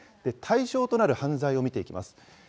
対象となる犯罪を見ていきます。